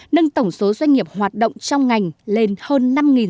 nâng tổng số doanh nghiệp hoạt động trong ngành lên hơn năm sáu trăm linh